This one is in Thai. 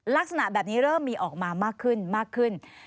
ลักษณะแบบนี้เริ่มมีออกมามากขึ้น